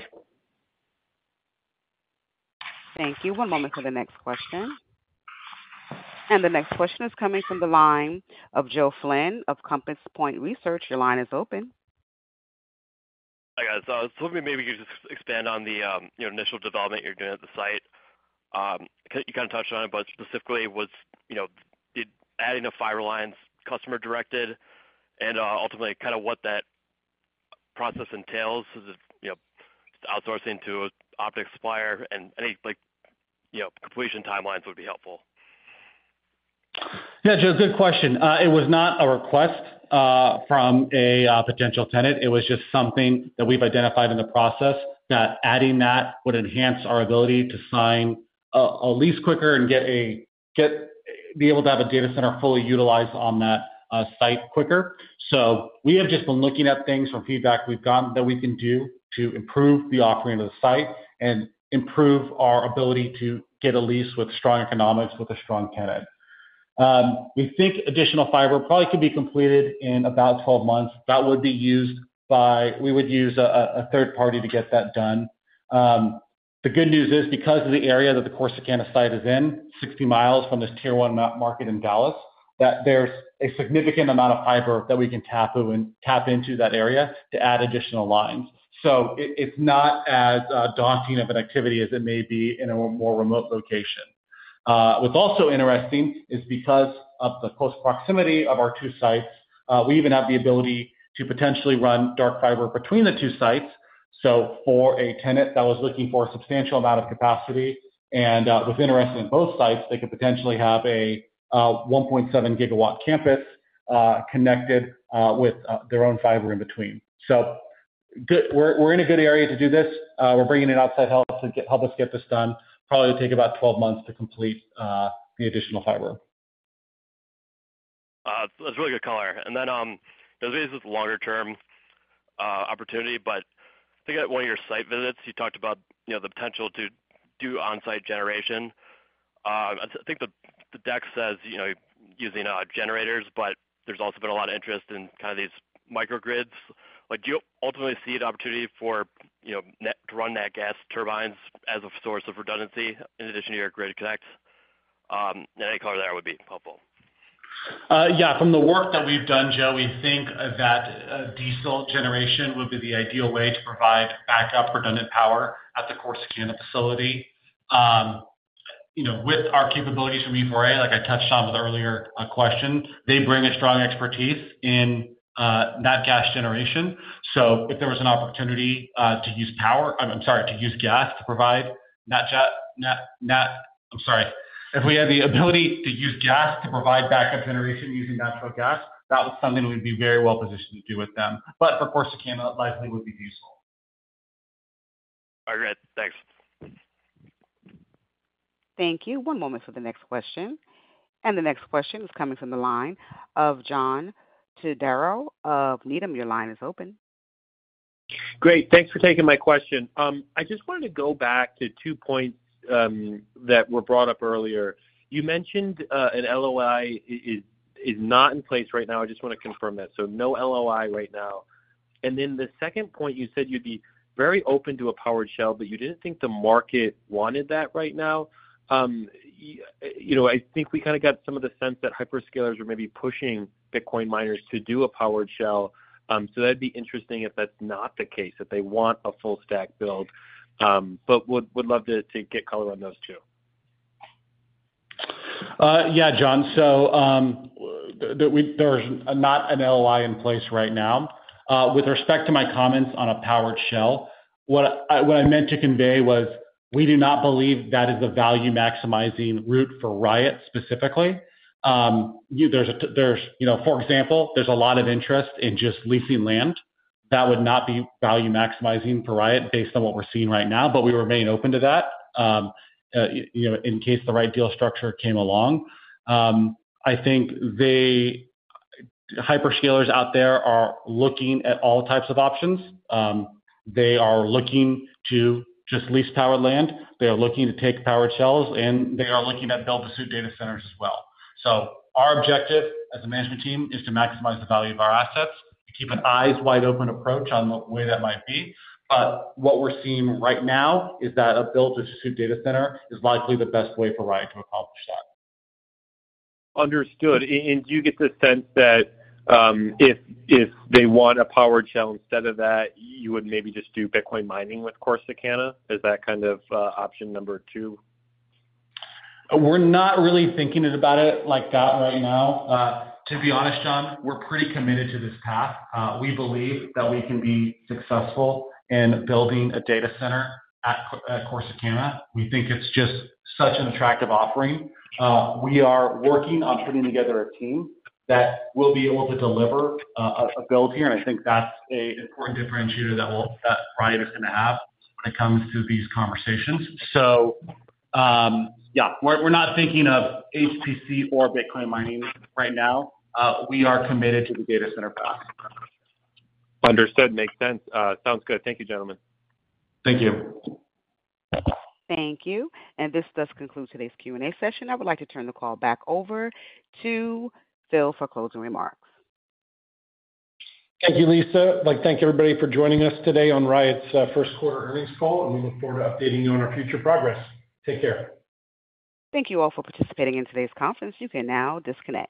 Thank you. One moment for the next question. The next question is coming from the line of Joe Flynn of Compass Point Research. Your line is open. Hi, guys. I was hoping maybe you could just expand on the, you know, initial development you're doing at the site. You kind of touched on it, but specifically, was, you know, adding a fiber line's customer directed and ultimately kind of what that process entails, you know, outsourcing to an OSP supplier and any, like, you know, completion timelines would be helpful. Yeah, Joe, good question. It was not a request from a potential tenant. It was just something that we've identified in the process that adding that would enhance our ability to sign a lease quicker and be able to have a data center fully utilized on that site quicker. We have just been looking at things from feedback we've gotten that we can do to improve the offering of the site and improve our ability to get a lease with strong economics with a strong tenant. We think additional fiber probably could be completed in about 12 months. That would be used by, we would use a third party to get that done. The good news is because of the area that the Corsicana site is in, 60 mi from this tier-one market in Dallas, that there's a significant amount of fiber that we can tap into that area to add additional lines. It is not as daunting of an activity as it may be in a more remote location. What's also interesting is because of the close proximity of our two sites, we even have the ability to potentially run dark fiber between the two sites. For a tenant that was looking for a substantial amount of capacity and was interested in both sites, they could potentially have a 1.7-gigawatt campus connected with their own fiber in between. We are in a good area to do this. We are bringing in outside help to help us get this done. Probably take about 12 months to complete the additional fiber. That's really good color. There is a reason it's a longer-term opportunity. I think at one of your site visits, you talked about, you know, the potential to do on-site generation. I think the deck says, you know, using generators, but there's also been a lot of interest in kind of these microgrids. Like, do you ultimately see an opportunity for, you know, to run nat gas turbines as a source of redundancy in addition to your grid connect? Any color there would be helpful. Yeah. From the work that we've done, Joe, we think that diesel generation would be the ideal way to provide backup redundant power at the Corsicana facility. You know, with our capabilities from ESS, like I touched on with the earlier question, they bring a strong expertise in nat gas generation. If there was an opportunity to use gas to provide that, I'm sorry. If we had the ability to use gas to provide backup generation using natural gas, that was something we'd be very well positioned to do with them. For Corsicana, likely would be useful. All right. Thanks. Thank you. One moment for the next question. The next question is coming from the line of John Todaro of Needham. Your line is open. Great. Thanks for taking my question. I just wanted to go back to two points that were brought up earlier. You mentioned an LOI is not in place right now. I just want to confirm that. So no LOI right now. The second point, you said you'd be very open to a powered shell, but you didn't think the market wanted that right now. You know, I think we kind of got some of the sense that hyperscalers are maybe pushing Bitcoin miners to do a powered shell. That'd be interesting if that's not the case, if they want a full-stack build. Would love to get color on those two. Yeah, John. So there's not an LOI in place right now. With respect to my comments on a powered shell, what I meant to convey was we do not believe that is a value-maximizing route for Riot specifically. There's, you know, for example, a lot of interest in just leasing land. That would not be value-maximizing for Riot based on what we're seeing right now. We remain open to that, you know, in case the right deal structure came along. I think the hyperscalers out there are looking at all types of options. They are looking to just lease powered land. They are looking to take powered shells, and they are looking at build-to-suit data centers as well. Our objective as a management team is to maximize the value of our assets, keep an eyes-wide-open approach on the way that might be. What we're seeing right now is that a build-to-suit data center is likely the best way for Riot to accomplish that. Understood. Do you get the sense that if they want a powered shell instead of that, you would maybe just do Bitcoin mining with Corsicana? Is that kind of option number two? We're not really thinking about it like that right now. To be honest, John, we're pretty committed to this path. We believe that we can be successful in building a data center at Corsicana. We think it's just such an attractive offering. We are working on putting together a team that will be able to deliver a build here. I think that's an important differentiator that Riot is going to have when it comes to these conversations. Yeah, we're not thinking of HPC or Bitcoin mining right now. We are committed to the data center path. Understood. Makes sense. Sounds good. Thank you, gentlemen. Thank you. Thank you. This does conclude today's Q&A session. I would like to turn the call back over to Phil for closing remarks. Thank you, Lisa. Like, thank everybody for joining us today on Riot's first quarter earnings call. We look forward to updating you on our future progress. Take care. Thank you all for participating in today's conference. You can now disconnect.